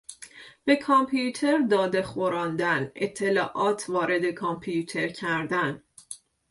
به کامپیوتر داده خوراندن، اطلاعات وارد کامپیوتر کردن